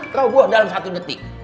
roboh dalam satu detik